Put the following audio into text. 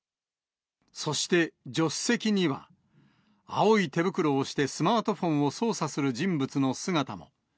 そして助手席には、青い手袋をしてスマートフォンを操作する人物の姿も。